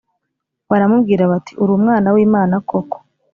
baramubwira bati uri Umwana w Imana koko